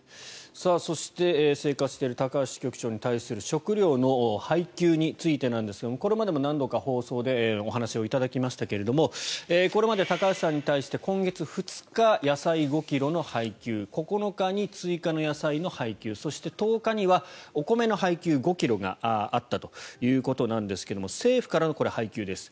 そして生活している高橋支局長に対する食料の配給についてですがこれまでも何度か放送でお話をいただきましたがこれまで高橋さんに対して今月２日、野菜５ｋｇの配給９日に追加の野菜の配給そして、１０日にはお米の配給５ｋｇがあったということですが政府からの配給です。